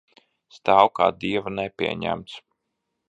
Stāv kā dieva nepieņemts.